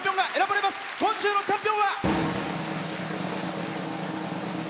今週のチャンピオンは。